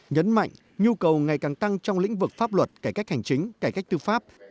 nhấn mạnh nhu cầu ngày càng tăng trong lĩnh vực pháp luật cải cách hành chính cải cách tư pháp